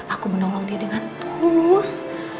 aku menolong dia dengan tulus